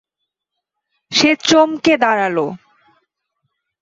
সে চমকে দাঁড়ালো।